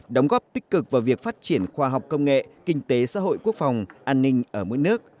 đóng góp tích cực vào việc phát triển khoa học công nghệ kinh tế xã hội quốc phòng an ninh ở mỗi nước